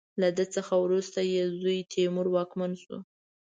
له ده څخه وروسته یې زوی تیمور واکمن شو.